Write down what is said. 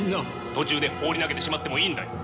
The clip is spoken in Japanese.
途中で放り投げてしまってもいいんだよ。